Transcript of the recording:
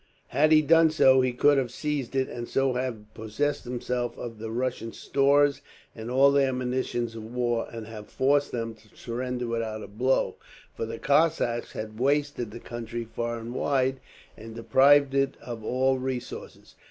Had he done so he could have seized it, and so have possessed himself of the Russian stores and all their munitions of war, and have forced them to surrender without a blow; for the Cossacks had wasted the country far and wide, and deprived it of all resources.